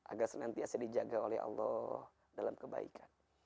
agar senantiasa dijaga oleh allah dalam kebaikan